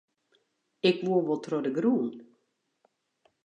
Ik woe wol troch de grûn.